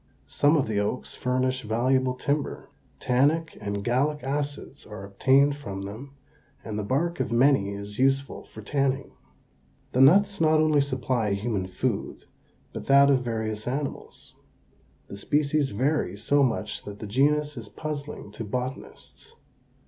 Some of the oaks furnish valuable timber. Tannic and gallic acids are obtained from them and the bark of many is useful for tanning. The nuts not only supply human food but that of various animals. The species vary so much that the genus is puzzling to botanists.